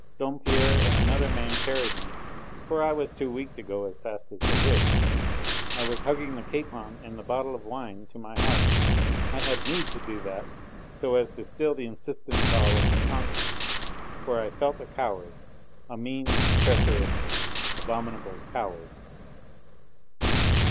Dompierre and another man carried me, for I was too weak to go as fast as they wished. I was hugging the capon and the bottle of wine to my heart; I had need to do that, so as to still the insistent call of my conscience, for I felt a coward a mean, treacherous, abominable coward!